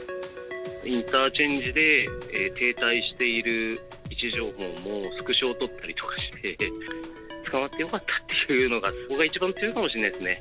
インターチェンジで、停滞している位置情報もスクショを撮ったりとかして、捕まってよかったというのが、そこが一番強いかもしれないですね。